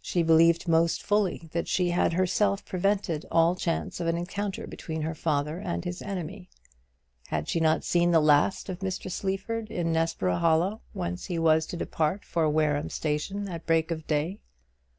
She believed most fully that she had herself prevented all chance of an encounter between her father and his enemy. Had she not seen the last of Mr. Sleaford in Nessborough Hollow, whence he was to depart for Wareham station at break of day?